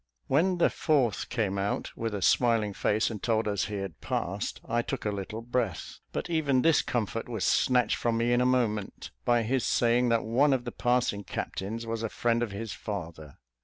When the fourth came out with a smiling face, and told us he had passed, I took a little breath; but even this comfort was snatched from me in a moment, by his saying that one of the passing captains was a friend of his father.